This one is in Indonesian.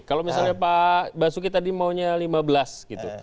kalau misalnya pak basuki tadi maunya lima belas gitu